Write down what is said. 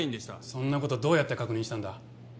そんなことどうやって確認したんだ？